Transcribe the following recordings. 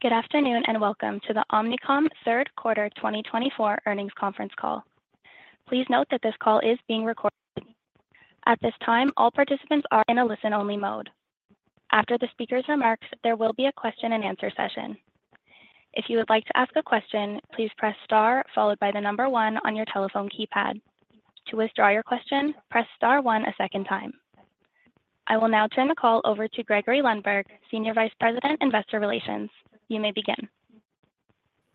Good afternoon, and welcome to the Omnicom third quarter 2024 earnings conference call. Please note that this call is being recorded. At this time, all participants are in a listen-only mode. After the speaker's remarks, there will be a question-and-answer session. If you would like to ask a question, please press Star followed by the number one on your telephone keypad. To withdraw your question, press Star one a second time. I will now turn the call over to Gregory Lundberg, Senior Vice President, Investor Relations. You may begin.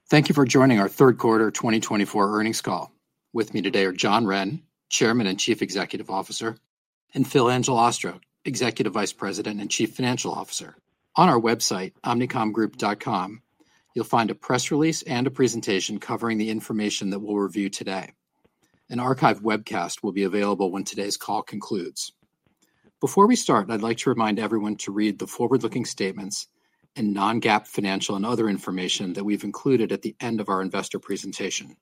Thank you for joining our third quarter 2024 earnings call. With me today are John Wren, Chairman and Chief Executive Officer, and Phil Angelastro, Executive Vice President and Chief Financial Officer. On our website, omnicomgroup.com, you'll find a press release and a presentation covering the information that we'll review today. An archive webcast will be available when today's call concludes. Before we start, I'd like to remind everyone to read the forward-looking statements and non-GAAP financial and other information that we've included at the end of our investor presentation.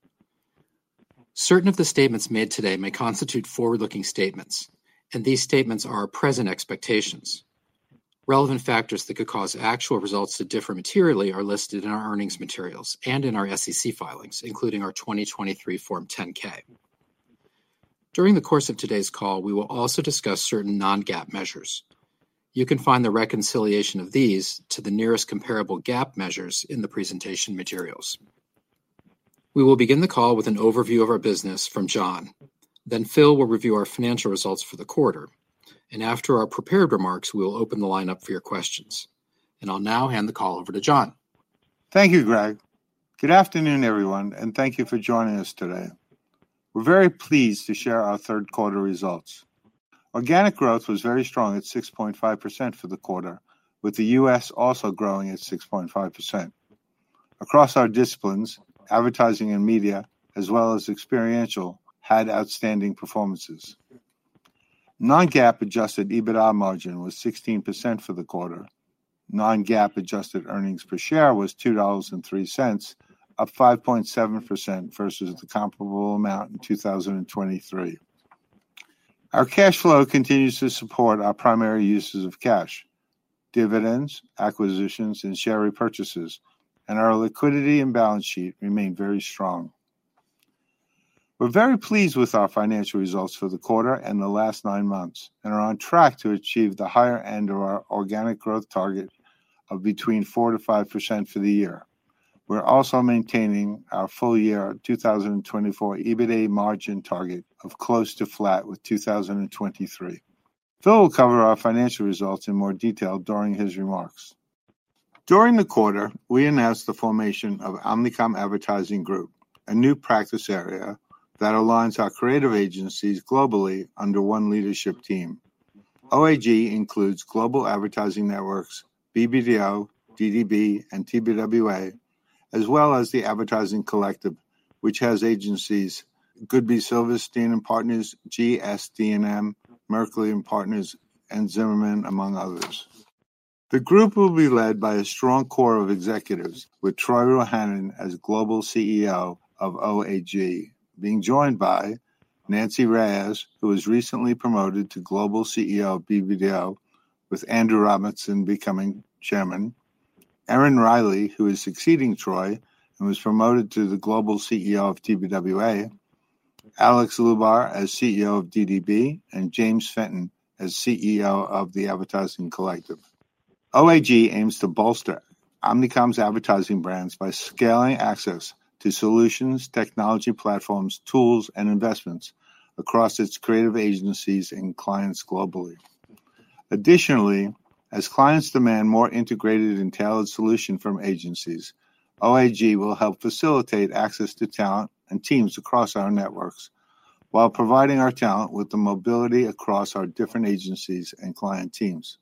Certain of the statements made today may constitute forward-looking statements, and these statements are our present expectations. Relevant factors that could cause actual results to differ materially are listed in our earnings materials and in our SEC filings, including our 2023 Form 10-K. During the course of today's call, we will also discuss certain non-GAAP measures. You can find the reconciliation of these to the nearest comparable GAAP measures in the presentation materials. We will begin the call with an overview of our business from John. Then Phil will review our financial results for the quarter, and after our prepared remarks, we will open the line up for your questions. And I'll now hand the call over to John. Thank you, Greg. Good afternoon, everyone, and thank you for joining us today. We're very pleased to share our third quarter results. Organic growth was very strong at 6.5% for the quarter, with the U.S. also growing at 6.5%. Across our disciplines, advertising and media, as well as experiential, had outstanding performances. Non-GAAP adjusted EBITDA margin was 16% for the quarter. Non-GAAP adjusted earnings per share was $2.03, up 5.7% versus the comparable amount in 2023. Our cash flow continues to support our primary uses of cash, dividends, acquisitions, and share repurchases, and our liquidity and balance sheet remain very strong. We're very pleased with our financial results for the quarter and the last nine months and are on track to achieve the higher end of our organic growth target of between 4% to 5% for the year. We're also maintaining our full year 2024 EBITDA margin target of close to flat with 2023. Phil will cover our financial results in more detail during his remarks. During the quarter, we announced the formation of Omnicom Advertising Group, a new practice area that aligns our creative agencies globally under one leadership team. OAG includes global advertising networks, BBDO, DDB, and TBWA, as well as The Advertising Collective, which has agencies, Goodby Silverstein & Partners, GSD&M, Merkley+Partners, and Zimmerman, among others. The group will be led by a strong core of executives, with Troy Ruhanen as Global CEO of OAG, being joined by Nancy Reyes, who was recently promoted to Global CEO of BBDO, with Andrew Robertson becoming Chairman. Erin Riley, who is succeeding Troy and was promoted to the Global CEO of TBWA, Alex Lubar as CEO of DDB, and James Fenton as CEO of the Advertising Collective. OAG aims to bolster Omnicom's advertising brands by scaling access to solutions, technology platforms, tools, and investments across its creative agencies and clients globally. Additionally, as clients demand more integrated and tailored solution from agencies, OAG will help facilitate access to talent and teams across our networks while providing our talent with the mobility across our different agencies and client teams.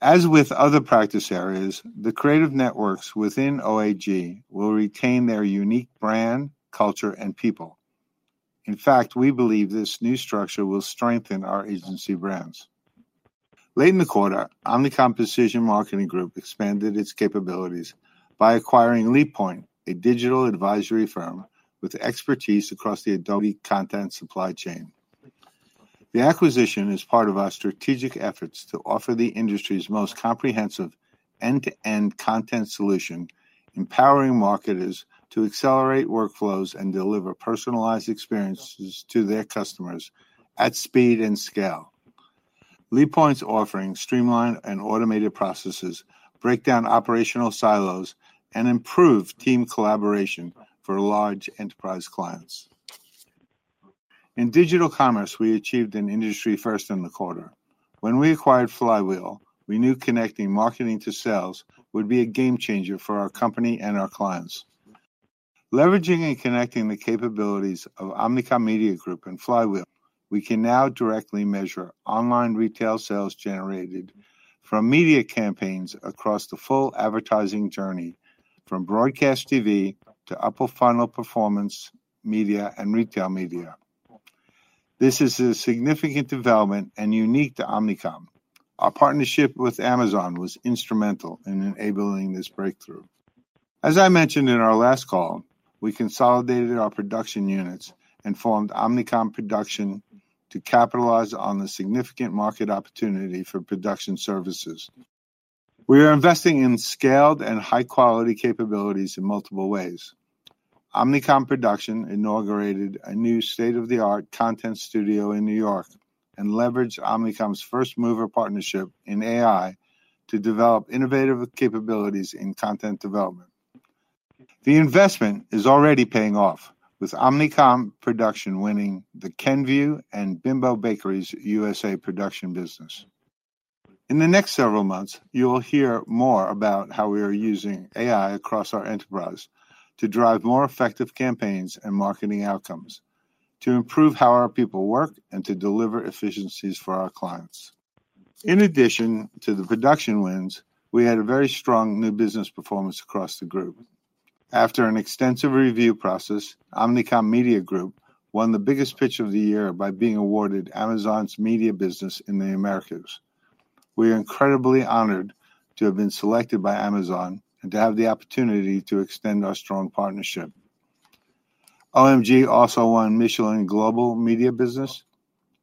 As with other practice areas, the creative networks within OAG will retain their unique brand, culture, and people. In fact, we believe this new structure will strengthen our agency brands. Late in the quarter, Omnicom Precision Marketing Group expanded its capabilities by acquiring LeapPoint, a digital advisory firm with expertise across the Adobe content supply chain. The acquisition is part of our strategic efforts to offer the industry's most comprehensive end-to-end content solution, empowering marketers to accelerate workflows and deliver personalized experiences to their customers at speed and scale. LeapPoint's offerings streamline and automated processes, break down operational silos, and improve team collaboration for large enterprise clients. In digital commerce, we achieved an industry first in the quarter. When we acquired Flywheel, we knew connecting marketing to sales would be a game-changer for our company and our clients. Leveraging and connecting the capabilities of Omnicom Media Group and Flywheel, we can now directly measure online retail sales generated from media campaigns across the full advertising journey, from broadcast TV to upper funnel performance, media, and retail media. This is a significant development and unique to Omnicom. Our partnership with Amazon was instrumental in enabling this breakthrough. As I mentioned in our last call, we consolidated our production units and formed Omnicom Production to capitalize on the significant market opportunity for production services. We are investing in scaled and high-quality capabilities in multiple ways. Omnicom Production inaugurated a new state-of-the-art content studio in New York, and leveraged Omnicom's first-mover partnership in AI to develop innovative capabilities in content development. The investment is already paying off, with Omnicom Production winning the Kenvue and Bimbo Bakeries USA production business. In the next several months, you will hear more about how we are using AI across our enterprise to drive more effective campaigns and marketing outcomes, to improve how our people work, and to deliver efficiencies for our clients. In addition to the production wins, we had a very strong new business performance across the group. After an extensive review process, Omnicom Media Group won the biggest pitch of the year by being awarded Amazon's media business in the Americas. We are incredibly honored to have been selected by Amazon and to have the opportunity to extend our strong partnership. OMG also won Michelin global media business.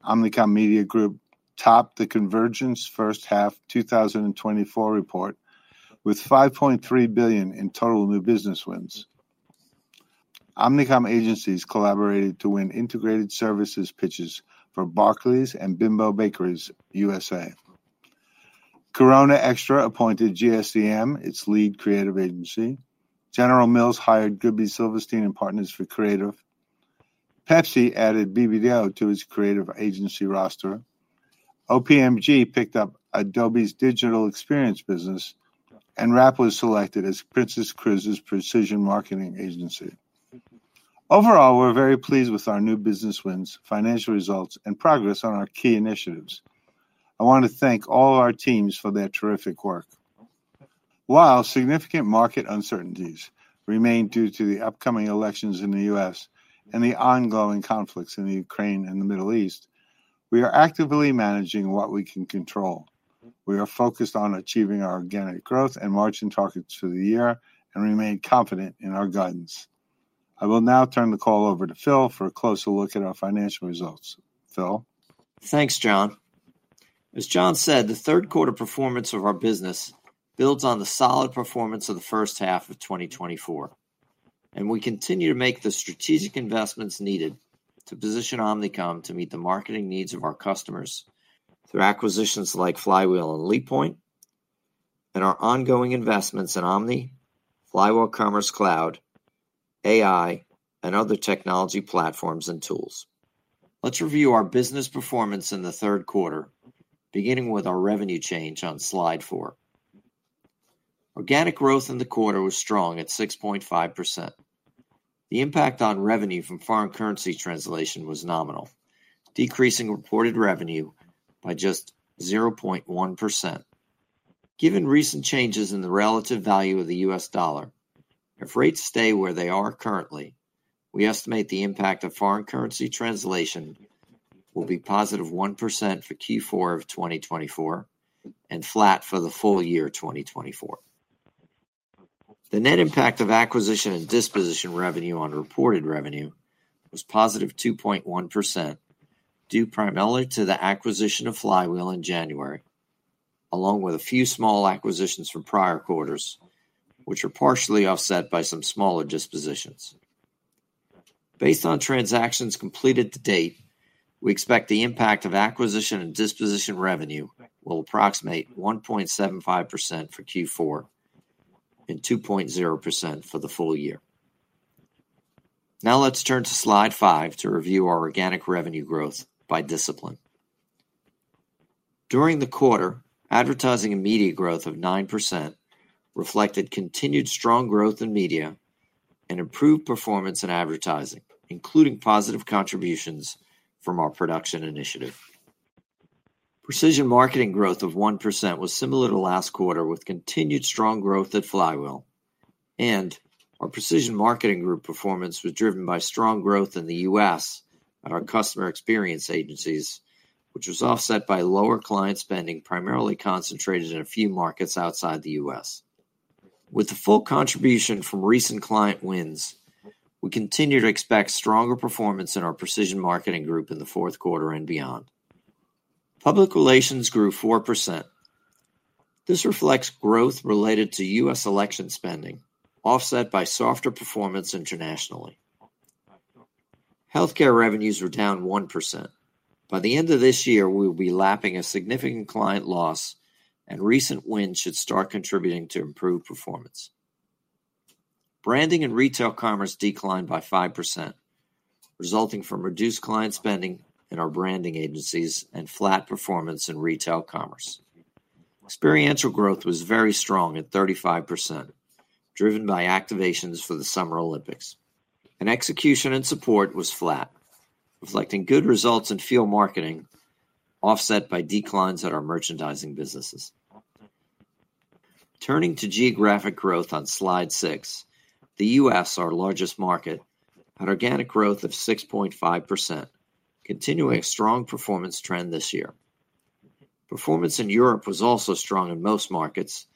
Omnicom Media Group topped the COMvergence First Half 2024 report, with $5.3 billion in total new business wins. Omnicom agencies collaborated to win integrated services pitches for Barclays and Bimbo Bakeries USA. Corona Extra appointed GSD&M, its lead creative agency. General Mills hired Goodby Silverstein & Partners for creative. Pepsi added BBDO to its creative agency roster. OPMG picked up Adobe's digital experience business, and RAPP was selected as Princess Cruises' precision marketing agency. Overall, we're very pleased with our new business wins, financial results, and progress on our key initiatives. I want to thank all our teams for their terrific work. While significant market uncertainties remain due to the upcoming elections in the U.S. and the ongoing conflicts in the Ukraine and the Middle East, we are actively managing what we can control. We are focused on achieving our organic growth and margin targets for the year and remain confident in our guidance. I will now turn the call over to Phil for a closer look at our financial results. Phil? Thanks, John. As John said, the third quarter performance of our business builds on the solid performance of the first half of 2024, and we continue to make the strategic investments needed to position Omnicom to meet the marketing needs of our customers through acquisitions like Flywheel and LeapPoint, and our ongoing investments in Omni, Flywheel Commerce Cloud, AI, and other technology platforms and tools. Let's review our business performance in the third quarter, beginning with our revenue change on slide four. Organic growth in the quarter was strong at 6.5%. The impact on revenue from foreign currency translation was nominal, decreasing reported revenue by just 0.1%. Given recent changes in the relative value of the U.S. dollar, if rates stay where they are currently, we estimate the impact of foreign currency translation will be positive 1% for Q4 of 2024, and flat for the full year 2024. The net impact of acquisition and disposition revenue on reported revenue was positive 2.1%, due primarily to the acquisition of Flywheel in January, along with a few small acquisitions from prior quarters, which are partially offset by some smaller dispositions. Based on transactions completed to date, we expect the impact of acquisition and disposition revenue will approximate 1.75% for Q4 and 2.0% for the full year. Now, let's turn to Slide five to review our organic revenue growth by discipline. During the quarter, advertising and media growth of 9% reflected continued strong growth in media and improved performance in advertising, including positive contributions from our production initiative. Precision marketing growth of 1% was similar to last quarter, with continued strong growth at Flywheel, and our precision marketing group performance was driven by strong growth in the U.S. at our customer experience agencies, which was offset by lower client spending, primarily concentrated in a few markets outside the U.S. With the full contribution from recent client wins, we continue to expect stronger performance in our precision marketing group in the fourth quarter and beyond. Public relations grew 4%. This reflects growth related to U.S. election spending, offset by softer performance internationally. Healthcare revenues were down 1%. By the end of this year, we will be lapping a significant client loss, and recent wins should start contributing to improved performance. Branding and retail commerce declined by 5%, resulting from reduced client spending in our branding agencies and flat performance in retail commerce. Experiential growth was very strong at 35%, driven by activations for the Summer Olympics, and execution and support was flat, reflecting good results in field marketing, offset by declines at our merchandising businesses. Turning to geographic growth on Slide six, the U.S., our largest market, had organic growth of 6.5%, continuing a strong performance trend this year. Performance in Europe was also strong in most markets,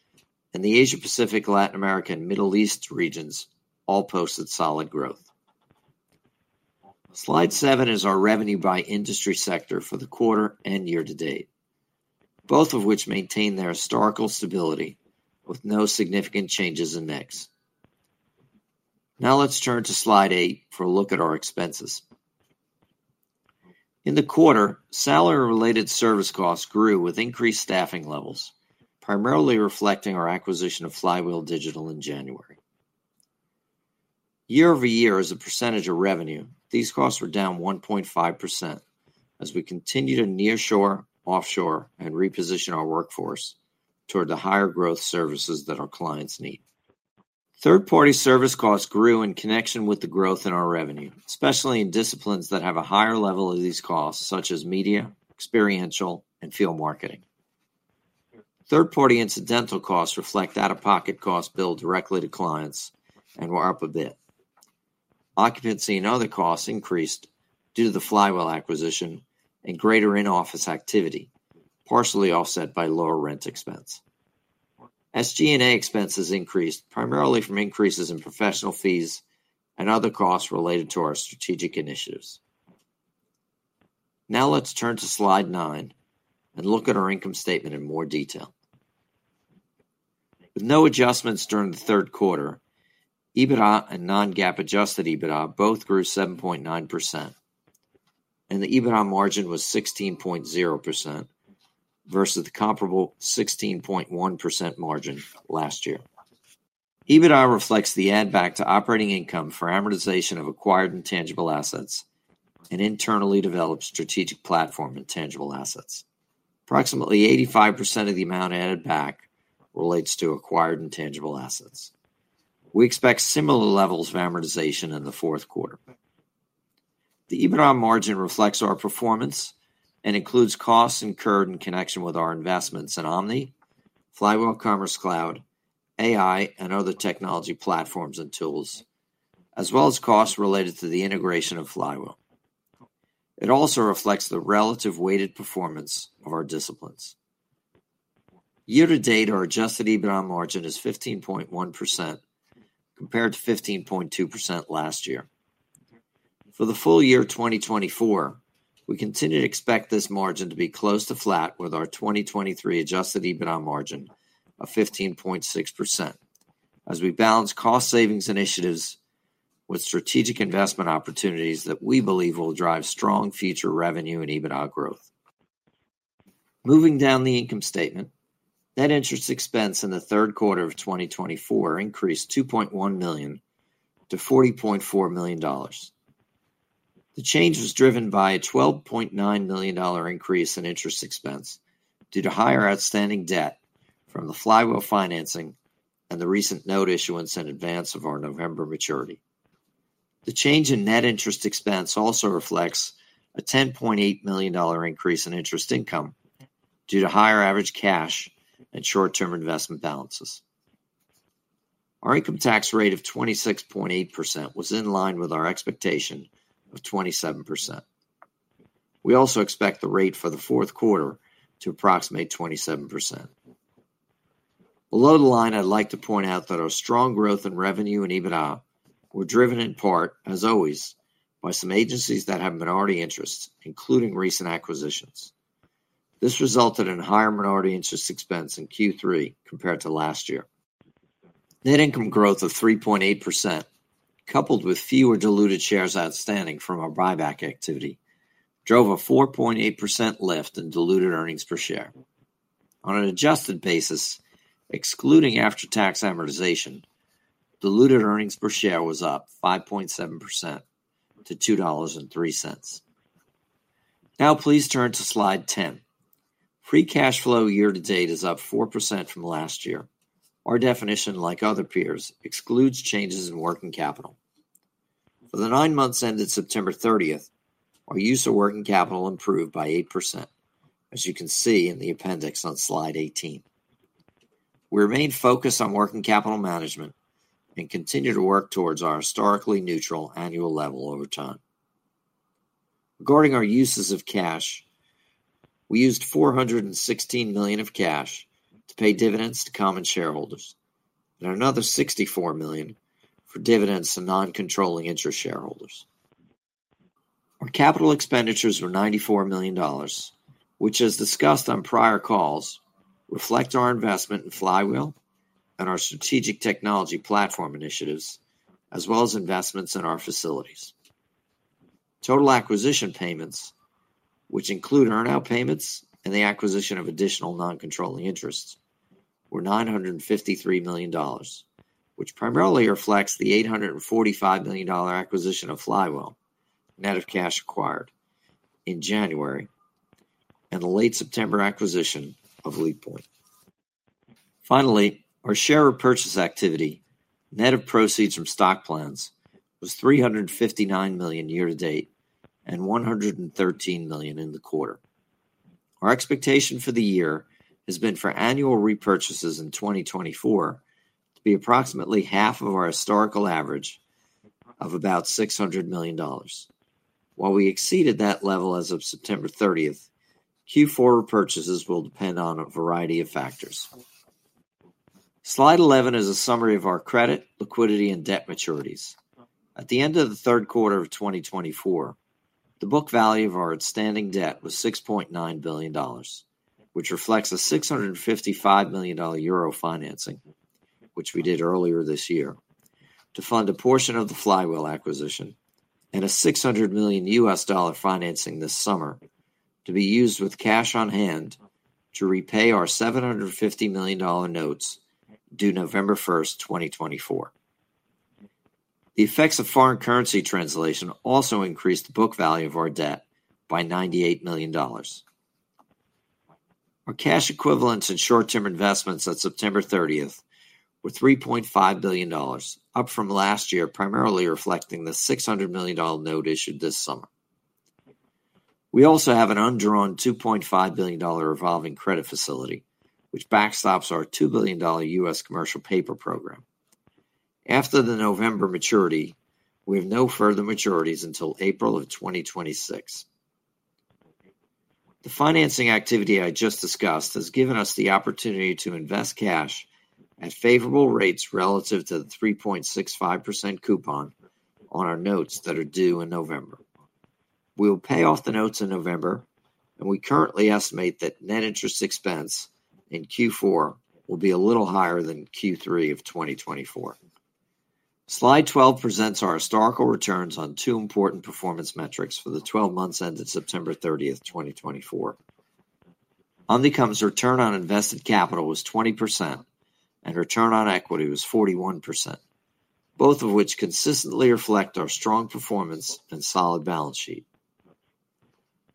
and the Asia-Pacific, Latin America, and Middle East regions all posted solid growth. Slide seven is our revenue by industry sector for the quarter and year-to-date, both of which maintain their historical stability with no significant changes in mix. Now let's turn to Slide eight for a look at our expenses. In the quarter, salary-related service costs grew with increased staffing levels, primarily reflecting our acquisition of Flywheel Digital in January. Year-over-year, as a percentage of revenue, these costs were down 1.5% as we continue to nearshore, offshore, and reposition our workforce toward the higher growth services that our clients need. Third-party service costs grew in connection with the growth in our revenue, especially in disciplines that have a higher level of these costs, such as media, experiential, and field marketing. Third-party incidental costs reflect out-of-pocket costs billed directly to clients and were up a bit. Occupancy and other costs increased due to the Flywheel acquisition and greater in-office activity, partially offset by lower rent expense. SG&A expenses increased primarily from increases in professional fees and other costs related to our strategic initiatives. Now let's turn to Slide nine and look at our income statement in more detail. With no adjustments during the third quarter, EBITDA and non-GAAP adjusted EBITDA both grew 7.9%, and the EBITDA margin was 16.0% versus the comparable 16.1% margin last year. EBITDA reflects the add-back to operating income for amortization of acquired intangible assets and internally developed strategic platform intangible assets. Approximately 85% of the amount added back relates to acquired intangible assets. We expect similar levels of amortization in the fourth quarter. The EBITDA margin reflects our performance and includes costs incurred in connection with our investments in Omni, Flywheel Commerce Cloud, AI, and other technology platforms and tools, as well as costs related to the integration of Flywheel. It also reflects the relative weighted performance of our disciplines. Year-to-date, our adjusted EBITDA margin is 15.1%, compared to 15.2% last year. For the full year 2024, we continue to expect this margin to be close to flat with our 2023 adjusted EBITDA margin of 15.6% as we balance cost savings initiatives with strategic investment opportunities that we believe will drive strong future revenue and EBITDA growth. Moving down the income statement, net interest expense in the third quarter of 2024 increased $2.1 million to $40.4 million. The change was driven by a $12.9 million increase in interest expense due to higher outstanding debt from the Flywheel financing and the recent note issuance in advance of our November maturity. The change in net interest expense also reflects a $10.8 million increase in interest income due to higher average cash and short-term investment balances. Our income tax rate of 26.8% was in line with our expectation of 27%. We also expect the rate for the fourth quarter to approximate 27%. Below the line, I'd like to point out that our strong growth in revenue and EBITDA were driven in part, as always, by some agencies that have minority interests, including recent acquisitions. This resulted in higher minority interest expense in Q3 compared to last year. Net income growth of 3.8%, coupled with fewer diluted shares outstanding from our buyback activity, drove a 4.8% lift in diluted earnings per share. On an adjusted basis, excluding after-tax amortization, diluted earnings per share was up 5.7% to $2.03. Now please turn to Slide 10. Free cash flow year-to-date is up 4% from last year. Our definition, like other peers, excludes changes in working capital. For the nine months ended September 30th, our use of working capital improved by 8%, as you can see in the appendix on Slide 18. We remain focused on working capital management and continue to work towards our historically neutral annual level over time. Regarding our uses of cash, we used $416 million of cash to pay dividends to common shareholders and another $64 million for dividends to non-controlling interest shareholders. Our capital expenditures were $94 million, which, as discussed on prior calls, reflect our investment in Flywheel and our strategic technology platform initiatives, as well as investments in our facilities. Total acquisition payments, which include earn-out payments and the acquisition of additional non-controlling interests, were $953 million, which primarily reflects the $845 million acquisition of Flywheel, net of cash acquired in January and the late September acquisition of LeapPoint. Finally, our share repurchase activity, net of proceeds from stock plans, was $359 million year-to-date and $113 million in the quarter. Our expectation for the year has been for annual repurchases in 2024 to be approximately half of our historical average of about $600 million. While we exceeded that level as of September 30th, Q4 purchases will depend on a variety of factors. Slide 11 is a summary of our credit, liquidity, and debt maturities. At the end of the third quarter of 2024, the book value of our outstanding debt was $6.9 billion, which reflects a $655 million Euro financing, which we did earlier this year, to fund a portion of the Flywheel acquisition, and a $600 million U.S. dollar financing this summer to be used with cash on hand to repay our $750 million notes due November 1st, 2024. The effects of foreign currency translation also increased the book value of our debt by $98 million. Our cash equivalents and short-term investments at September 30 were $3.5 billion, up from last year, primarily reflecting the $600 million note issued this summer. We also have an undrawn $2.5 billion revolving credit facility, which backstops our $2 billion U.S. commercial paper program. After the November maturity, we have no further maturities until April 2026. The financing activity I just discussed has given us the opportunity to invest cash at favorable rates relative to the 3.65% coupon on our notes that are due in November. We will pay off the notes in November, and we currently estimate that net interest expense in Q4 will be a little higher than Q3 of 2024. Slide 12 presents our historical returns on two important performance metrics for the 12 months ended September 30, 2024. On return on invested capital was 20% and return on equity was 41%, both of which consistently reflect our strong performance and solid balance sheet.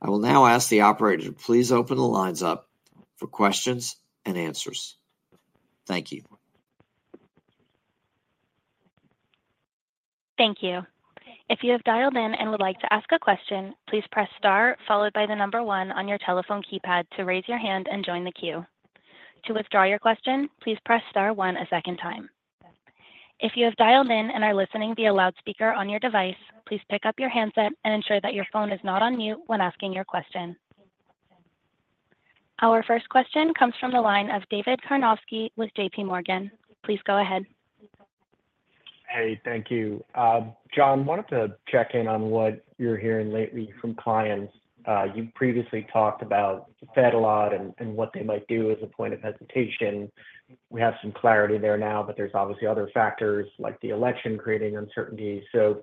I will now ask the operator to please open the lines up for questions and answers. Thank you. Thank you. If you have dialed in and would like to ask a question, please press Star, followed by the number one on your telephone keypad to raise your hand and join the queue. To withdraw your question, please press Star one a second time. If you have dialed in and are listening via loudspeaker on your device, please pick up your handset and ensure that your phone is not on mute when asking your question. Our first question comes from the line of David Karnovsky with JPMorgan. Please go ahead. Hey, thank you. John, wanted to check in on what you're hearing lately from clients. You previously talked about the Fed a lot and what they might do as a point of hesitation. We have some clarity there now, but there's obviously other factors like the election, creating uncertainty. So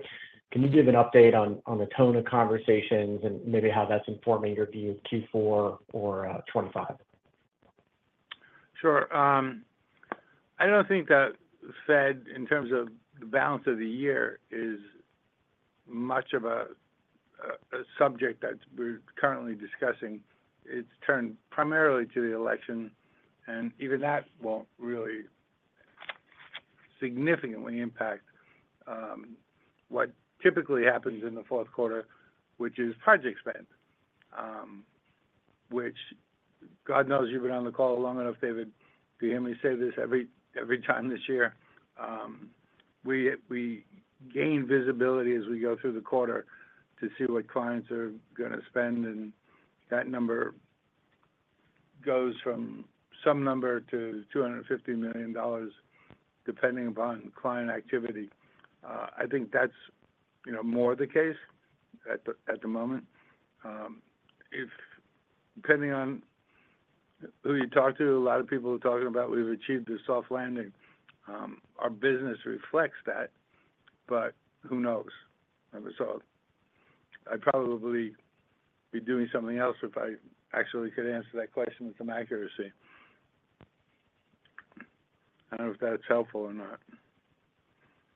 can you give an update on the tone of conversations and maybe how that's informing your view of Q4 or 2025? Sure. I don't think that Fed, in terms of the balance of the year, is much of a subject that we're currently discussing. It's turned primarily to the election, and even that won't really significantly impact what typically happens in the fourth quarter, which is project spend. Which, God knows, you've been on the call long enough, David, to hear me say this every time this year. We gain visibility as we go through the quarter to see what clients are gonna spend, and that number goes from some number to $250 million, depending upon client activity. I think that's, you know, more the case at the moment. Depending on who you talk to, a lot of people are talking about we've achieved a soft landing. Our business reflects that, but who knows? And so I'd probably be doing something else if I actually could answer that question with some accuracy. I don't know if that's helpful or not.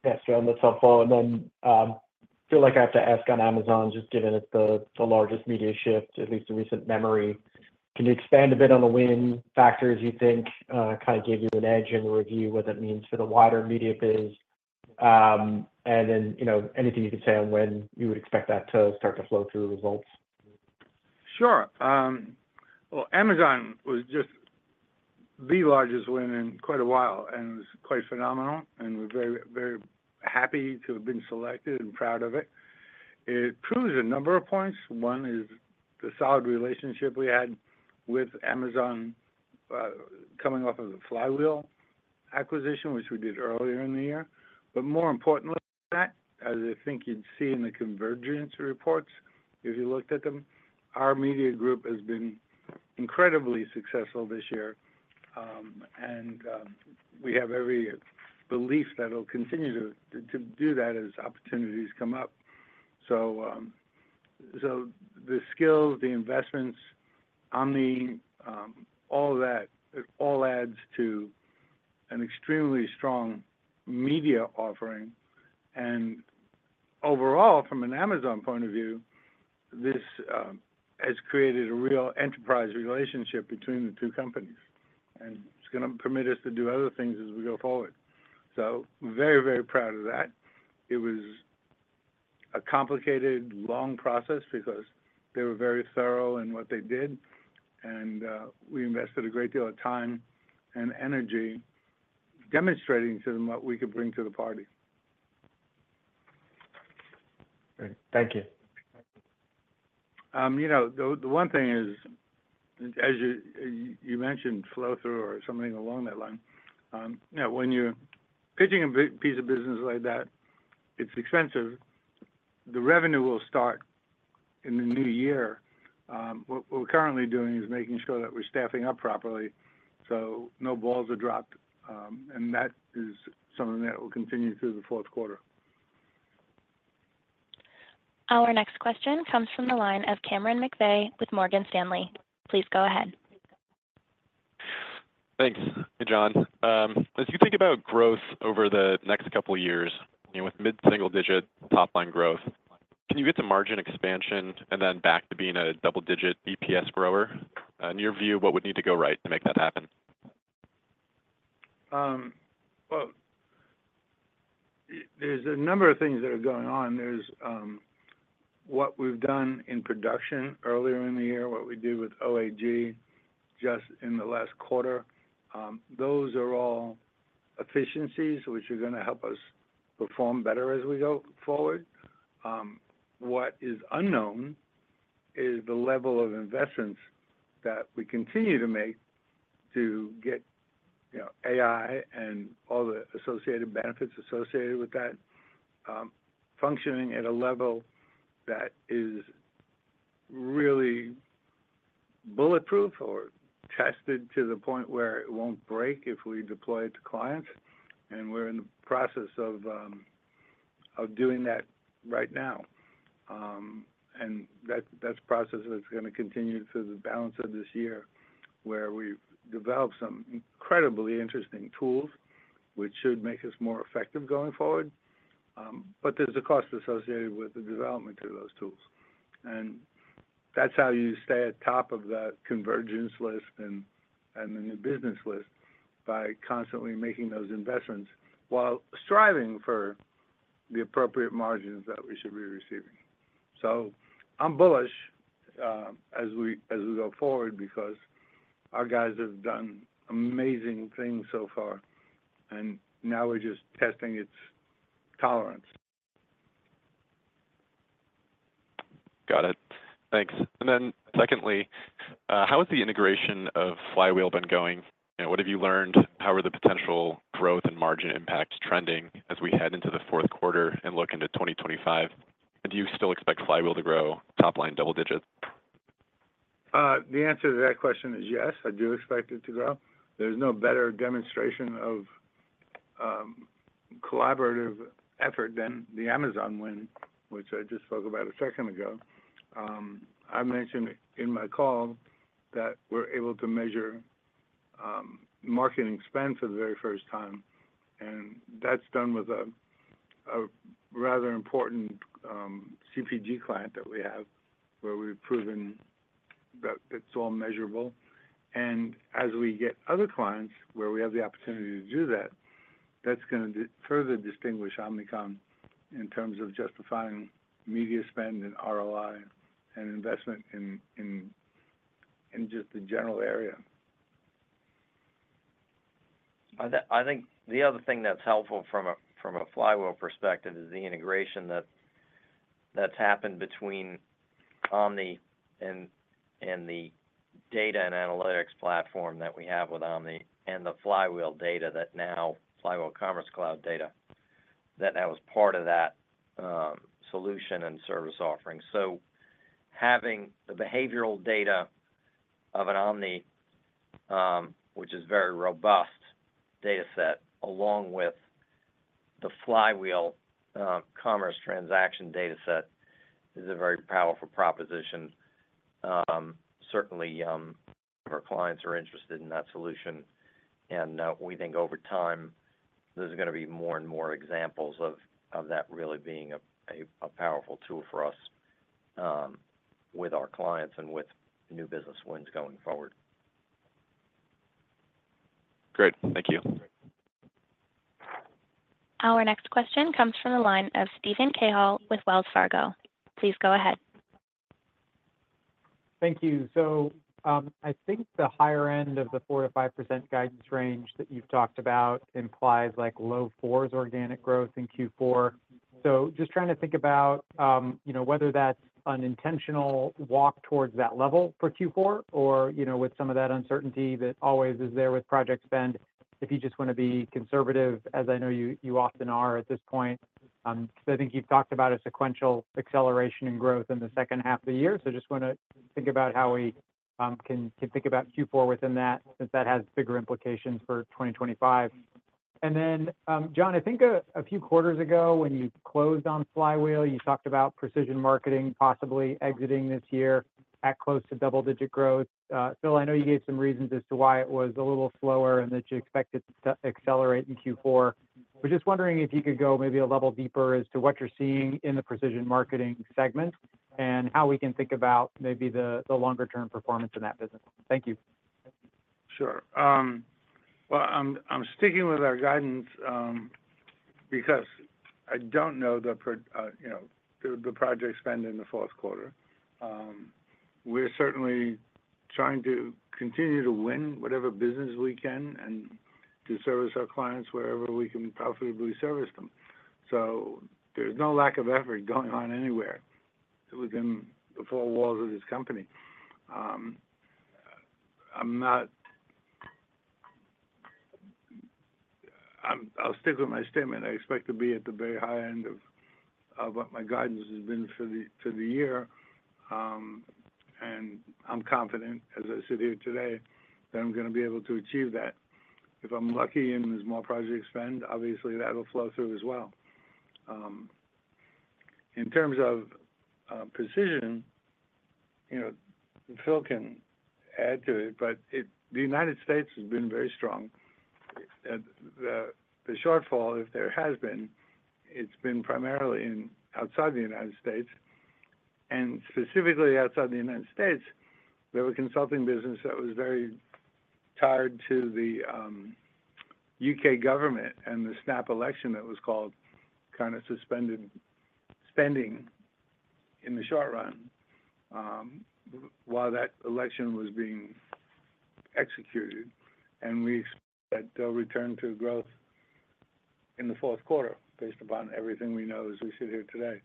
Yes, John, that's helpful. And then, I feel like I have to ask on Amazon, just given it's the largest media shift, at least in recent memory. Can you expand a bit on the win factors you think kind of gave you an edge and review what that means for the wider media biz? And then, you know, anything you can say on when you would expect that to start to flow through the results? Sure. Well, Amazon was just the largest win in quite a while and was quite phenomenal, and we're very, very happy to have been selected and proud of it. It proves a number of points. One is the solid relationship we had with Amazon, coming off of the Flywheel acquisition, which we did earlier in the year. But more importantly than that, as I think you'd see in the COMvergence reports, if you looked at them, our media group has been incredibly successful this year, and we have every belief that it'll continue to do that as opportunities come up. So, the skills, the investments, Omni, all that, it all adds to an extremely strong media offering. Overall, from an Amazon point of view, this has created a real enterprise relationship between the two companies, and it's gonna permit us to do other things as we go forward. So we're very, very proud of that. It was a complicated, long process because they were very thorough in what they did, and we invested a great deal of time and energy demonstrating to them what we could bring to the party. Great. Thank you. You know, the one thing is, as you mentioned flow through or something along that line, you know, when you're pitching a big piece of business like that, it's expensive. The revenue will start in the new year. What we're currently doing is making sure that we're staffing up properly so no balls are dropped, and that is something that will continue through the fourth quarter. Our next question comes from the line of Cameron McVeigh with Morgan Stanley. Please go ahead. Thanks. Hey, John. As you think about growth over the next couple of years, you know, with mid-single digit top-line growth, can you get to margin expansion and then back to being a double-digit bps grower? In your view, what would need to go right to make that happen? Well, there's a number of things that are going on. There's what we've done in production earlier in the year, what we did with OAG just in the last quarter. Those are all efficiencies which are going to help us perform better as we go forward. What is unknown is the level of investments that we continue to make to get, you know, AI and all the associated benefits associated with that functioning at a level that is really bulletproof or tested to the point where it won't break if we deploy it to clients, and we're in the process of doing that right now. And that's a process that's going to continue through the balance of this year, where we've developed some incredibly interesting tools which should make us more effective going forward. But there's a cost associated with the development of those tools, and that's how you stay at top of that COMvergence list and the new business list, by constantly making those investments while striving for the appropriate margins that we should be receiving. So I'm bullish, as we go forward because our guys have done amazing things so far, and now we're just testing its tolerance. Got it. Thanks. And then secondly, how has the integration of Flywheel been going? And what have you learned? How are the potential growth and margin impacts trending as we head into the fourth quarter and look into 2025? And do you still expect Flywheel to grow top line double digits? The answer to that question is yes, I do expect it to grow. There's no better demonstration of collaborative effort than the Amazon win, which I just spoke about a second ago. I mentioned in my call that we're able to measure marketing spend for the very first time, and that's done with a rather important CPG client that we have, where we've proven that it's all measurable, and as we get other clients where we have the opportunity to do that, that's going to further distinguish Omnicom in terms of justifying media spend and ROI and investment in just the general area. I think the other thing that's helpful from a Flywheel perspective is the integration that's happened between Omni and the data and analytics platform that we have with Omni and the Flywheel data that now Flywheel Commerce Cloud data was part of that solution and service offerings. So having the behavioral data of an Omni, which is very robust data set, along with the Flywheel commerce transaction data set, is a very powerful proposition. Certainly, our clients are interested in that solution, and we think over time, there's going to be more and more examples of that really being a powerful tool for us with our clients and with new business wins going forward. Great. Thank you. Our next question comes from the line of Steven Cahall with Wells Fargo. Please go ahead. Thank you. So, I think the higher end of the 4%-5% guidance range that you've talked about implies like low fours organic growth in Q4. So just trying to think about, you know, whether that's an intentional walk towards that level for Q4 or, you know, with some of that uncertainty that always is there with project spend, if you just want to be conservative, as I know you, you often are at this point. So I think you've talked about a sequential acceleration in growth in the second half of the year. So just want to think about how we can think about Q4 within that, since that has bigger implications for 2025. And then, John, I think a few quarters ago when you closed on Flywheel, you talked about precision marketing possibly exiting this year at close to double-digit growth. So I know you gave some reasons as to why it was a little slower and that you expect it to accelerate in Q4. We're just wondering if you could go maybe a level deeper as to what you're seeing in the precision marketing segment and how we can think about maybe the longer term performance in that business. Thank you. Sure. Well, I'm sticking with our guidance, because I don't know the project spend in the fourth quarter. We're certainly trying to continue to win whatever business we can and to service our clients wherever we can profitably service them. So there's no lack of effort going on anywhere within the four walls of this company. I'll stick with my statement. I expect to be at the very high end of what my guidance has been for the year. And I'm confident, as I sit here today, that I'm going to be able to achieve that. If I'm lucky, and there's more project spend, obviously, that'll flow through as well. In terms of precision, you know, Phil can add to it, but the United States has been very strong. The shortfall, if there has been, it's been primarily outside the United States, and specifically outside the United States, we have a consulting business that was very tied to the U.K. government and the snap election that was called, kind of suspended spending in the short run while that election was being executed. We expect that they'll return to growth in the fourth quarter, based upon everything we know as we sit here today.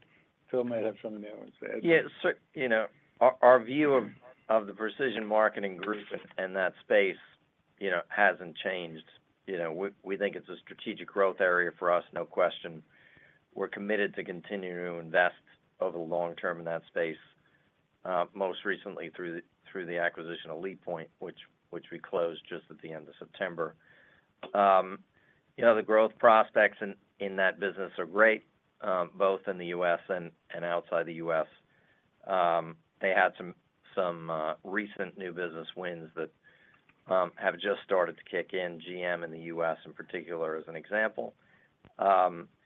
Phil might have something to add. Yeah, so you know, our view of the precision marketing group and that space, you know, hasn't changed. You know, we think it's a strategic growth area for us, no question. We're committed to continuing to invest over the long term in that space, most recently through the acquisition of LeapPoint, which we closed just at the end of September. You know, the growth prospects in that business are great, both in the U.S. and outside the U.S. They had some recent new business wins that have just started to kick in, GM in the U.S., in particular, as an example. And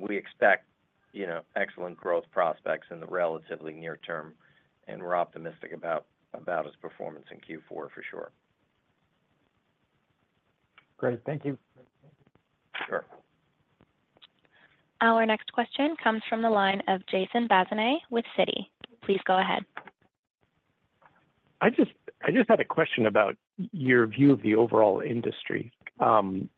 we expect, you know, excellent growth prospects in the relatively near term, and we're optimistic about its performance in Q4, for sure. Great. Thank you. Sure. Our next question comes from the line of Jason Bazinet with Citi. Please go ahead. I just had a question about your view of the overall industry. And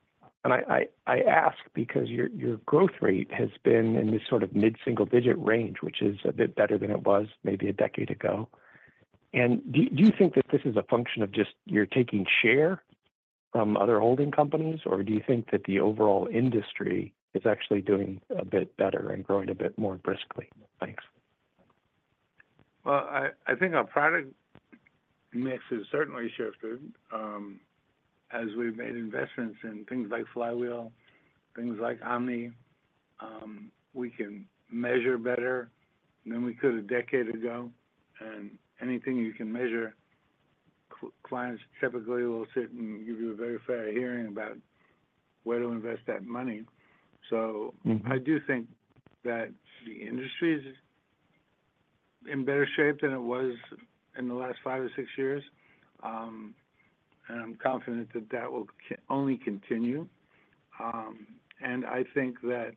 I ask because your growth rate has been in this sort of mid-single digit range, which is a bit better than it was maybe a decade ago. And do you think that this is a function of just you're taking share from other holding companies, or do you think that the overall industry is actually doing a bit better and growing a bit more briskly? Thanks. I think our product mix has certainly shifted as we've made investments in things like Flywheel, things like Omni. We can measure better than we could a decade ago, and anything you can measure, clients typically will sit and give you a very fair hearing about where to invest that money. So I do think that the industry is in better shape than it was in the last five or six years. And I'm confident that that will only continue. And I think that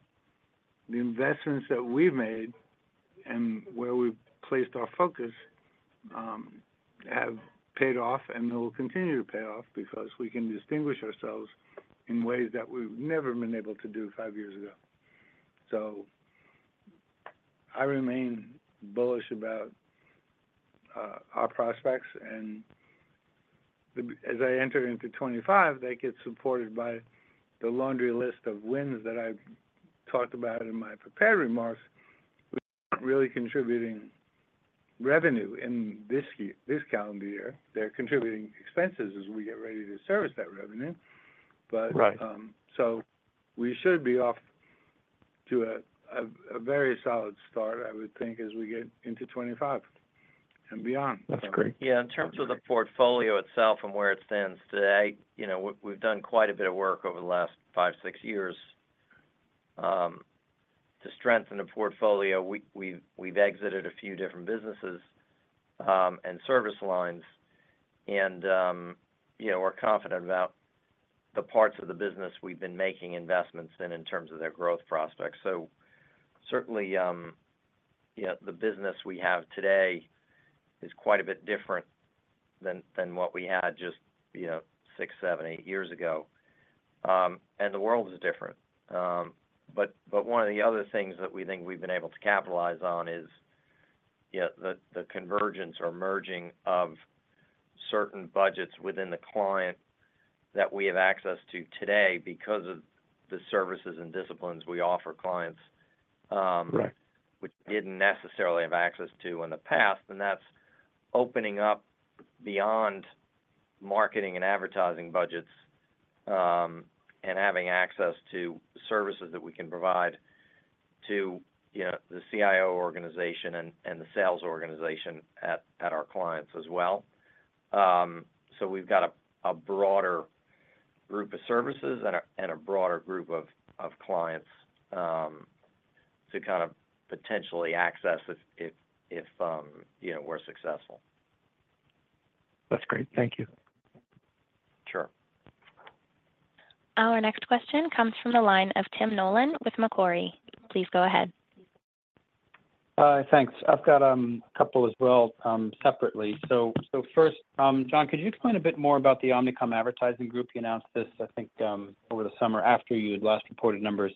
the investments that we've made and where we've placed our focus have paid off, and they will continue to pay off because we can distinguish ourselves in ways that we've never been able to do five years ago. So I remain bullish about our prospects, and they, as I enter into 2025, get supported by the laundry list of wins that I've talked about in my prepared remarks, which are really contributing revenue in this year, this calendar year. They're contributing expenses as we get ready to service that revenue. Right. But, so we should be off to a very solid start, I would think, as we get into 2025 and beyond. That's great. Yeah. In terms of the portfolio itself and where it stands today, you know, we've done quite a bit of work over the last five, six years to strengthen the portfolio. We've exited a few different businesses and service lines and, you know, we're confident about the parts of the business we've been making investments in, in terms of their growth prospects. So certainly, you know, the business we have today is quite a bit different than what we had just, you know, six, seven, eight years ago. And the world is different. But one of the other things that we think we've been able to capitalize on is, you know, the convergence or merging of certain budgets within the client that we have access to today because of the services and disciplines we offer clients. Right Which we didn't necessarily have access to in the past. And that's opening up beyond marketing and advertising budgets, and having access to services that we can provide to, you know, the CIO organization and the sales organization at our clients as well. So we've got a broader group of services and a broader group of clients to kind of potentially access if, you know, we're successful. That's great. Thank you. Sure. Our next question comes from the line of Tim Nollen with Macquarie. Please go ahead. Thanks. I've got a couple as well, separately. So first, John, could you explain a bit more about the Omnicom Advertising Group? You announced this, I think, over the summer after you had last reported numbers.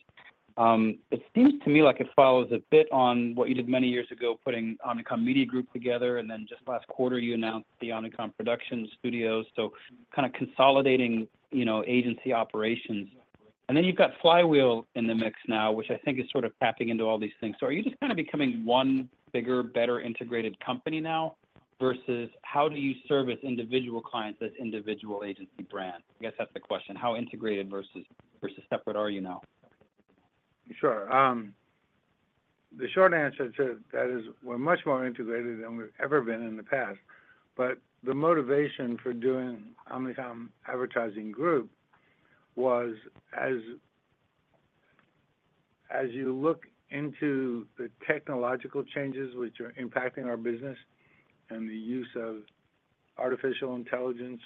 It seems to me like it follows a bit on what you did many years ago, putting Omnicom Media Group together, and then just last quarter, you announced the Omnicom Production Studio, so kind of consolidating, you know, agency operations. And then you've got Flywheel in the mix now, which I think is sort of tapping into all these things. So are you just kind of becoming one bigger, better integrated company now, versus how do you service individual clients as individual agency brands? I guess that's the question: How integrated versus separate are you now? Sure. The short answer to that is we're much more integrated than we've ever been in the past. But the motivation for doing Omnicom Advertising Group was, as you look into the technological changes which are impacting our business and the use of artificial intelligence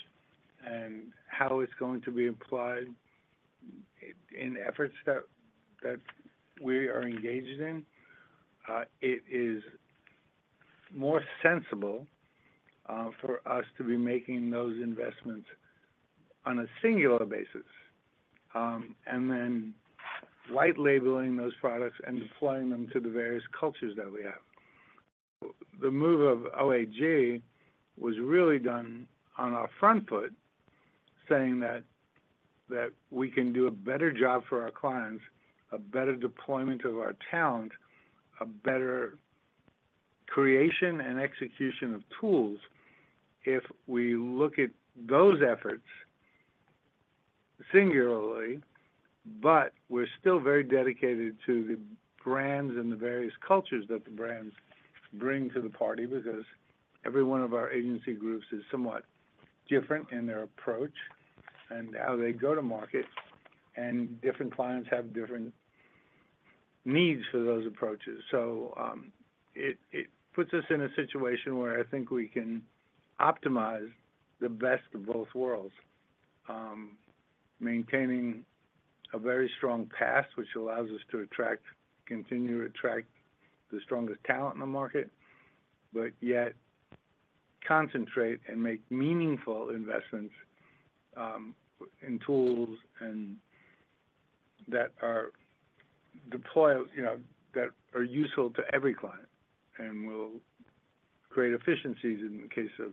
and how it's going to be applied in efforts that we are engaged in, it is more sensible for us to be making those investments on a singular basis, and then white labeling those products and deploying them to the various cultures that we have. The move of OAG was really done on our front foot, saying that we can do a better job for our clients, a better deployment of our talent, a better creation and execution of tools if we look at those efforts singularly. But we're still very dedicated to the brands and the various cultures that the brands bring to the party, because every one of our agency groups is somewhat different in their approach and how they go to market, and different clients have different needs for those approaches. So, it puts us in a situation where I think we can optimize the best of both worlds. Maintaining a very strong path, which allows us to continue to attract the strongest talent in the market, but yet concentrate and make meaningful investments in tools that are deployed, you know, that are useful to every client and will create efficiencies in the case of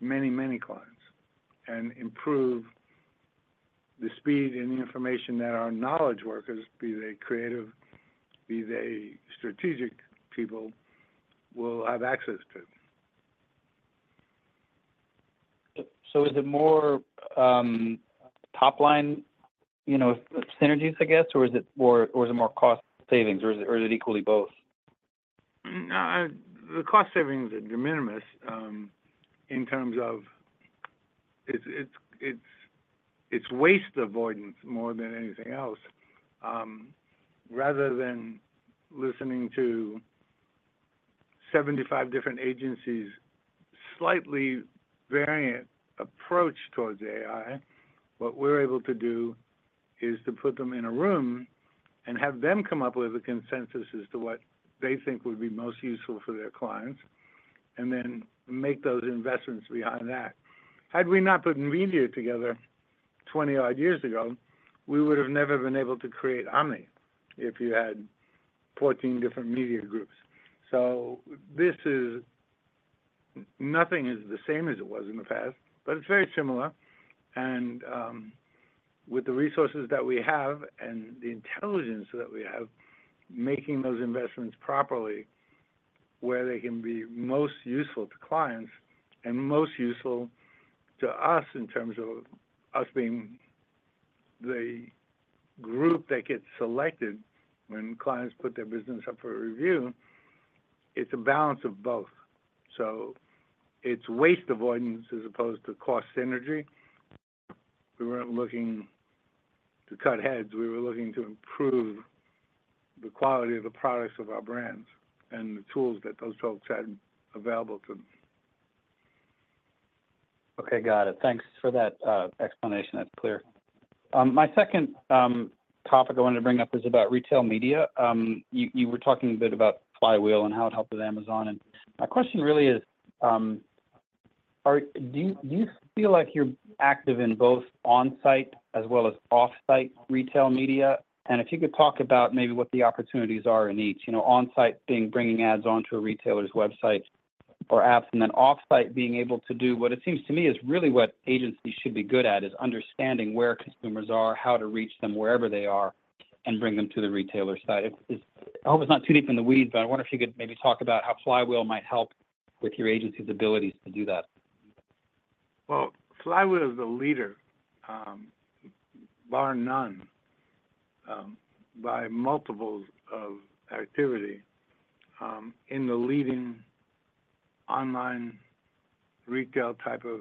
many, many clients, and improve the speed and the information that our knowledge workers, be they creative, be they strategic people, will have access to. So is it more top line, you know, I guess, or is it more cost savings, or is it equally both? The cost savings are diminish in terms of it's waste avoidance more than anything else. Rather than listening to 75 different agencies, slightly variant approach towards AI, what we're able to do is to put them in a room and have them come up with a consensus as to what they think would be most useful for their clients, and then make those investments behind that. Had we not put Media together twenty odd years ago, we would have never been able to create Omni, if you had 14 different media groups. So this is. Nothing is the same as it was in the past, but it's very similar, and with the resources that we have and the intelligence that we have, making those investments properly, where they can be most useful to clients and most useful to us in terms of us being the group that gets selected when clients put their business up for review, it's a balance of both. So it's waste avoidance as opposed to cost synergy. We weren't looking to cut heads. We were looking to improve the quality of the products of our brands and the tools that those folks had available to them. Okay, got it. Thanks for that explanation. That's clear. My second topic I wanted to bring up is about retail media. You were talking a bit about Flywheel and how it helped with Amazon. And my question really is, do you feel like you're active in both on-site as well as off-site retail media? And if you could talk about maybe what the opportunities are in each, you know, on-site being bringing ads onto a retailer's website or apps, and then off-site being able to do, what it seems to me, is really what agencies should be good at, is understanding where consumers are, how to reach them wherever they are, and bring them to the retailer site. I hope it's not too deep in the weeds, but I wonder if you could maybe talk about how Flywheel might help with your agency's abilities to do that? Flywheel is the leader, bar none, by multiples of activity, in the leading online retail type of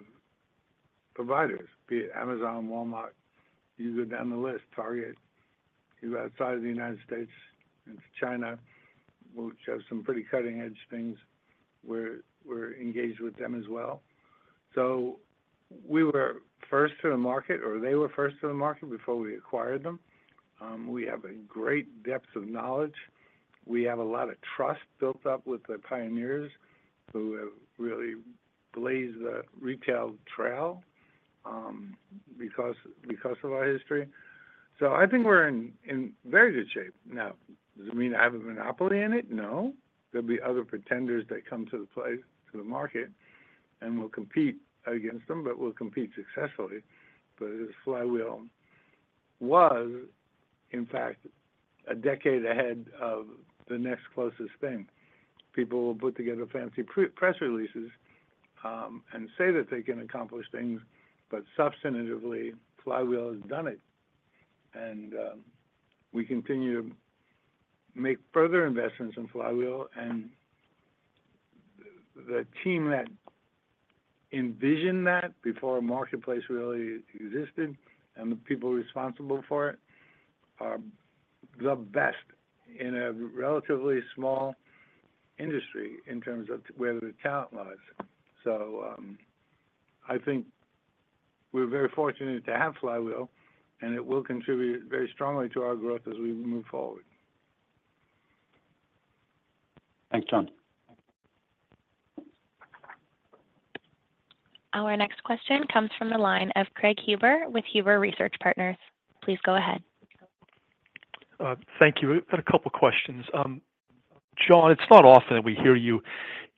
providers, be it Amazon, Walmart, you go down the list, Target. You go outside of the United States, into China, which have some pretty cutting edge things. We're engaged with them as well. So we were first to the market, or they were first to the market before we acquired them. We have a great depth of knowledge. We have a lot of trust built up with the pioneers, who have really blazed the retail trail, because of our history. So I think we're in very good shape. Now, does it mean I have a monopoly in it? No. There'll be other pretenders that come to the market, and we'll compete against them, but we'll compete successfully. But Flywheel was, in fact, a decade ahead of the next closest thing. People will put together fancy press releases, and say that they can accomplish things, but substantively, Flywheel has done it. And, we continue to make further investments in Flywheel, and the team that envisioned that before a marketplace really existed, and the people responsible for it, are the best in a relatively small industry in terms of where the talent lies. So, I think we're very fortunate to have Flywheel, and it will contribute very strongly to our growth as we move forward. Thanks, John. Our next question comes from the line of Craig Huber, with Huber Research Partners. Please go ahead. Thank you. I've got a couple questions. John, it's not often that we hear you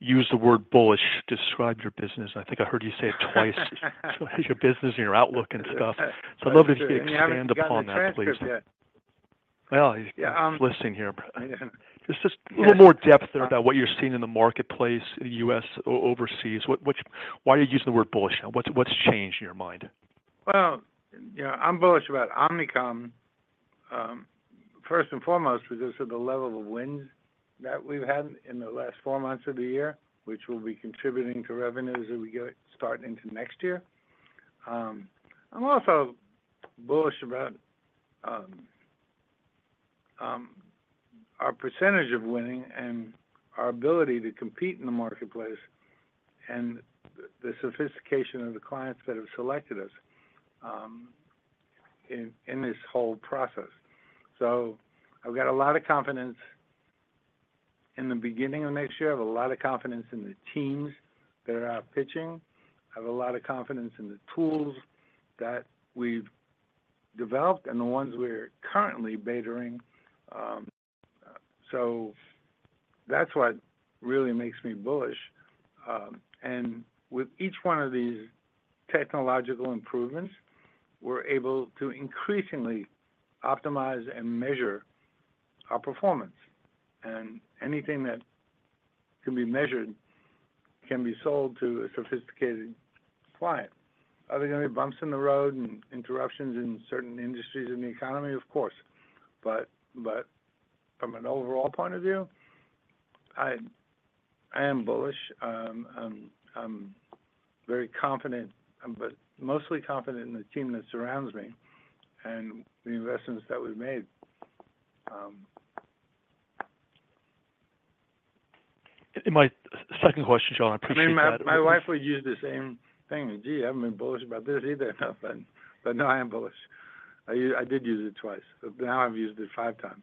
use the word bullish to describe your business. I think I heard you say it twice. So I'd love if you expand upon that, please. You haven't gotten the transcript yet. Well, I'm listening here. Just a little more depth there about what you're seeing in the marketplace, in the U.S. or overseas. Why are you using the word bullish? What's changed in your mind? You know, I'm bullish about Omnicom, first and foremost, because of the level of wins that we've had in the last four months of the year, which will be contributing to revenues as we get starting into next year. I'm also bullish about our percentage of winning and our ability to compete in the marketplace, and the sophistication of the clients that have selected us in this whole process. So I've got a lot of confidence in the beginning of next year. I have a lot of confidence in the teams that are out pitching. I have a lot of confidence in the tools that we've developed and the ones we're currently bettering. So that's what really makes me bullish. And with each one of these technological improvements, we're able to increasingly optimize and measure our performance. Anything that can be measured can be sold to a sophisticated client. Are there going to be bumps in the road and interruptions in certain industries in the economy? Of course, but from an overall point of view, I am bullish. I'm very confident, but mostly confident in the team that surrounds me and the investments that we've made. My second question, John. I appreciate that. My wife would use the same thing. Gee, I haven't been bullish about this either, but no, I am bullish. I did use it twice, but now I've used it five times.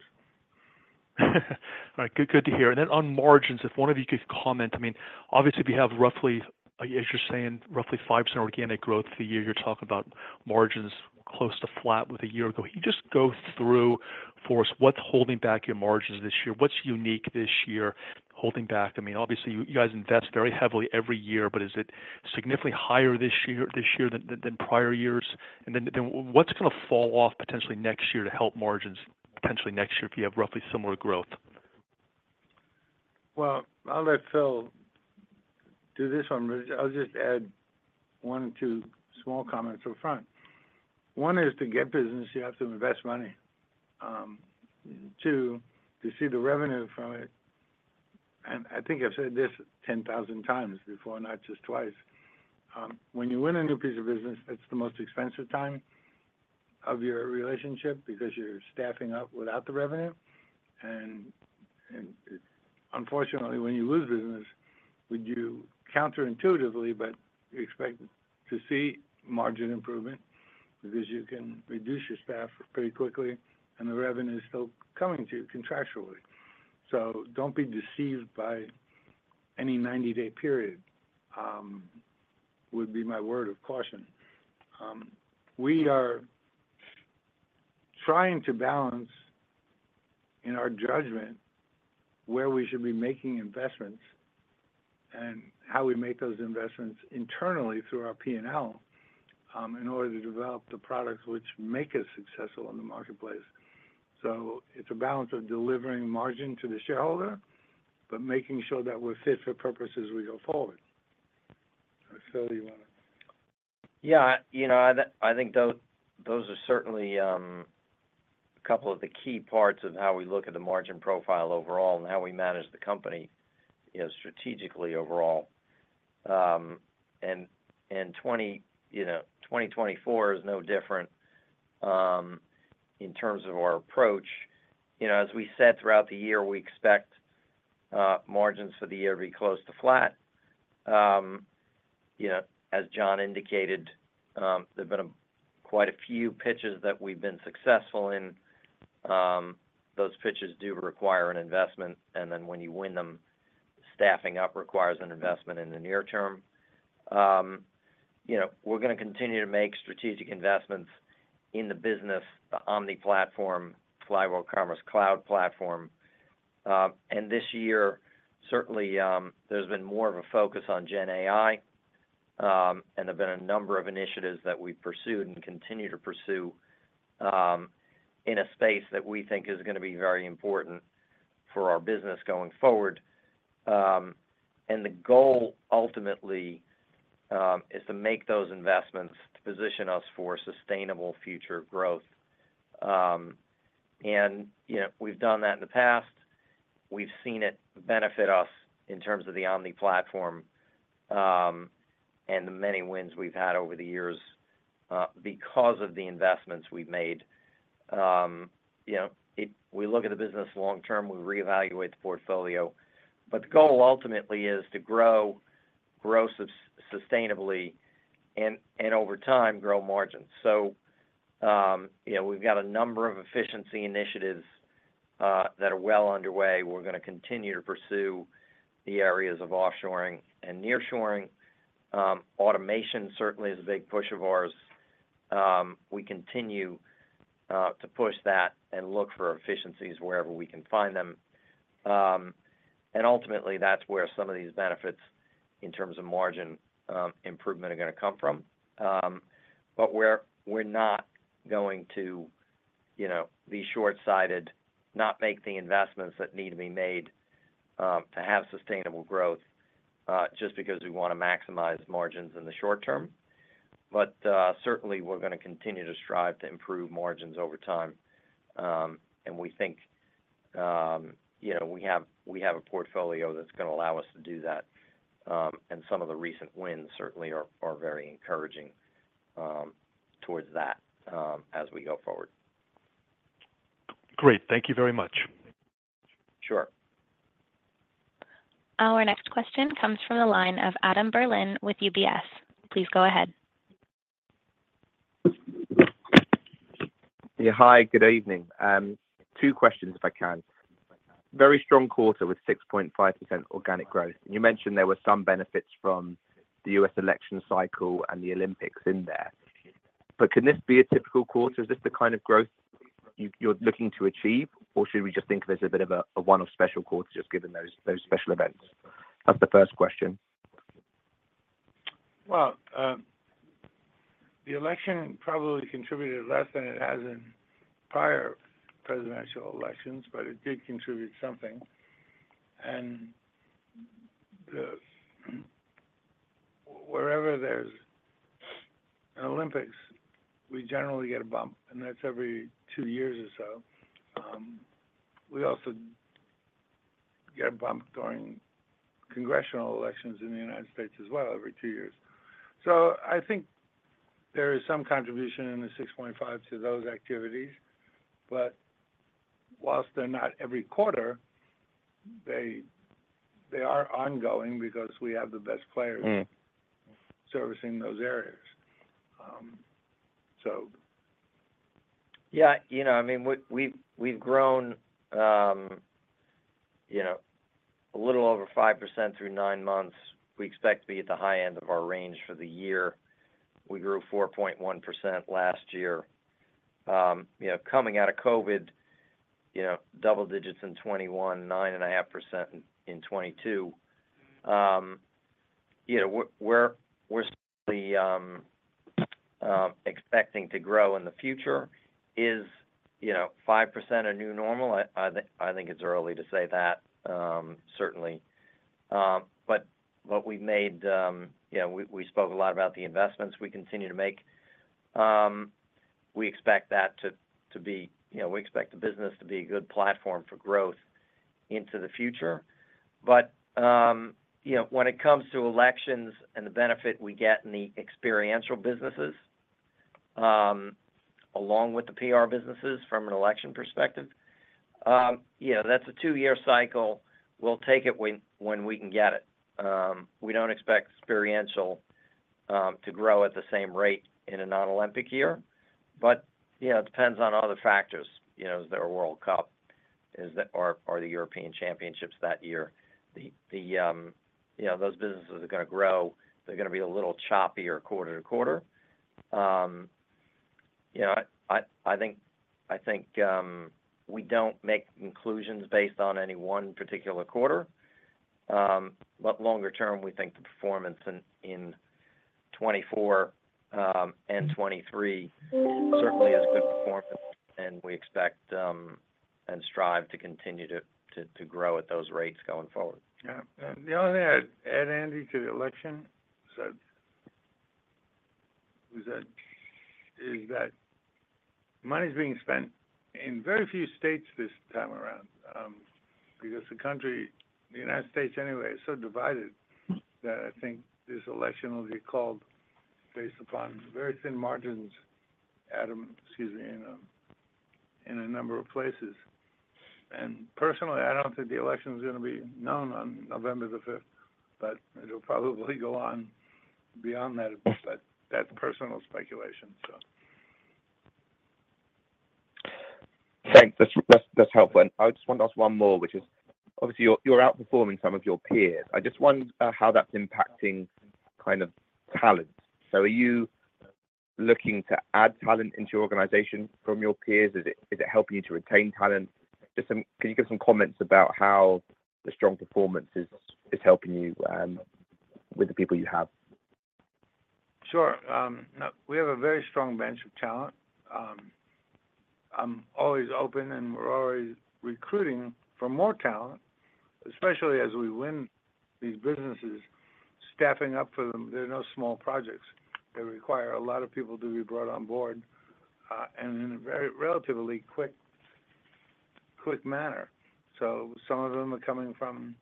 All right, good, good to hear. And then on margins, if one of you could comment, I mean, obviously, if you have roughly, as you're saying, roughly 5% organic growth for the year, you're talking about margins close to flat with a year ago. Can you just go through for us what's holding back your margins this year? What's unique this year, holding back? I mean, obviously, you, you guys invest very heavily every year, but is it significantly higher this year, this year than, than prior years? And then, then what's going to fall off potentially next year to help margins, potentially next year, if you have roughly similar growth? I'll let Phil do this one. But I'll just add one or two small comments up front. One is, to get business, you have to invest money. Two, to see the revenue from it, and I think I've said this 10,000 times before, not just twice, when you win a new piece of business, that's the most expensive time of your relationship because you're staffing up without the revenue. And unfortunately, when you lose business, counterintuitively, you expect to see margin improvement because you can reduce your staff pretty quickly, and the revenue is still coming to you contractually. So don't be deceived by any 90-day period, that would be my word of caution. We are trying to balance in our judgment, where we should be making investments and how we make those investments internally through our P&L, in order to develop the products which make us successful in the marketplace. It's a balance of delivering margin to the shareholder, but making sure that we're fit for purpose as we go forward. Phil, do you want to? Yeah, you know, I think those are certainly a couple of the key parts of how we look at the margin profile overall and how we manage the company, you know, strategically overall. And 2024 is no different in terms of our approach. You know, as we said throughout the year, we expect margins for the year to be close to flat. You know, as John indicated, there have been quite a few pitches that we've been successful in. Those pitches do require an investment, and then when you win them, staffing up requires an investment in the near term. You know, we're gonna continue to make strategic investments in the business, the Omni platform, Flywheel Commerce Cloud platform. And this year, certainly, there's been more of a focus on Gen AI, and there have been a number of initiatives that we pursued and continue to pursue in a space that we think is gonna be very important for our business going forward. And the goal ultimately is to make those investments to position us for sustainable future growth. And, you know, we've done that in the past. We've seen it benefit us in terms of the Omni platform and the many wins we've had over the years because of the investments we've made. You know, we look at the business long term, we reevaluate the portfolio, but the goal ultimately is to grow sustainably and over time, grow margins. So, you know, we've got a number of efficiency initiatives that are well underway. We're gonna continue to pursue the areas of offshoring and nearshoring. Automation certainly is a big push of ours. We continue to push that and look for efficiencies wherever we can find them, and ultimately, that's where some of these benefits in terms of margin improvement are gonna come from. But we're not going to, you know, be short-sighted, not make the investments that need to be made to have sustainable growth just because we wanna maximize margins in the short term, but certainly, we're gonna continue to strive to improve margins over time, and we think, you know, we have a portfolio that's gonna allow us to do that, and some of the recent wins certainly are very encouraging towards that as we go forward. Great. Thank you very much. Sure. Our next question comes from the line of Adam Berlin with UBS. Please go ahead. Yeah, hi, good evening. Two questions, if I can. Very strong quarter with 6.5% organic growth, and you mentioned there were some benefits from the U.S. election cycle and the Olympics in there. But can this be a typical quarter? Is this the kind of growth you're looking to achieve, or should we just think of as a bit of a one-off special quarter, just given those special events? That's the first question. The election probably contributed less than it has in prior presidential elections, but it did contribute something. Wherever there's an Olympics, we generally get a bump, and that's every two years or so. We also get a bump during congressional elections in the United States as well, every two years. I think there is some contribution in the 6.5 to those activities, but while they're not every quarter, they are ongoing because we have the best players servicing those areas. So. Yeah, you know, I mean, we've grown a little over 5% through nine months. We expect to be at the high end of our range for the year. We grew 4.1% last year. You know, coming out of COVID, you know, double digits in 2021, 9.5% in 2022. You know, we're certainly expecting to grow in the future. Is, you know, 5% a new normal? I think it's early to say that, certainly. But what we've made, you know, we spoke a lot about the investments we continue to make. We expect that to be, you know, we expect the business to be a good platform for growth into the future. You know, when it comes to elections and the benefit we get in the experiential businesses, along with the PR businesses from an election perspective, yeah, that's a two-year cycle. We'll take it when we can get it. We don't expect experiential to grow at the same rate in a non-Olympic year, but you know, it depends on other factors. You know, is there a World Cup? Or the European Championships that year. You know, those businesses are gonna grow. They're gonna be a little choppier quarter-to-quarter. You know, I think we don't make conclusions based on any one particular quarter. But longer term, we think the performance in 2024 and 2023 certainly is good performance, and we expect and strive to continue to grow at those rates going forward. Yeah. The only thing I'd add, Andy, to the election is that money's being spent in very few states this time around, because the country, the United States anyway, is so divided, that I think this election will be called based upon very thin margins, Adam, excuse me, in a number of places. And personally, I don't think the election is gonna be known on November the 5th, but it'll probably go on beyond that. But that's personal speculation, so. Thanks. That's helpful. And I just want to ask one more, which is, obviously, you're outperforming some of your peers. I just wonder how that's impacting kind of talent. So are you looking to add talent into your organization from your peers? Is it helping you to retain talent? Can you give some comments about how the strong performance is helping you with the people you have? Sure. No, we have a very strong bench of talent. I'm always open, and we're always recruiting for more talent, especially as we win these businesses, staffing up for them. They're no small projects. They require a lot of people to be brought on board, and in a very relatively quick manner. So some of them are coming from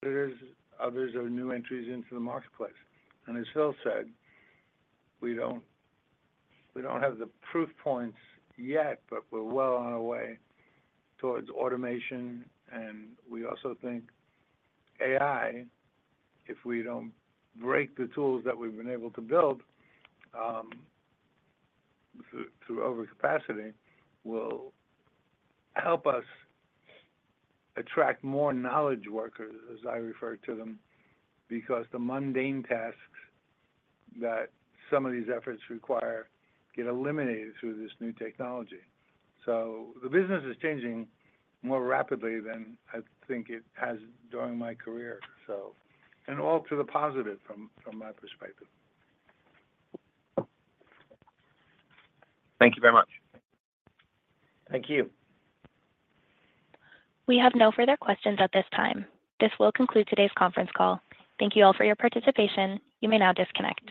competitors, others are new entries into the marketplace, and as Phil said, we don't have the proof points yet, but we're well on our way towards automation, and we also think AI, if we don't break the tools that we've been able to build through overcapacity, will help us attract more knowledge workers, as I refer to them, because the mundane tasks that some of these efforts require get eliminated through this new technology. The business is changing more rapidly than I think it has during my career, and all to the positive from my perspective. Thank you very much. Thank you. We have no further questions at this time. This will conclude today's conference call. Thank you all for your participation. You may now disconnect.